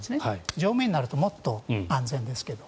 常務員になるともっと安全ですけど。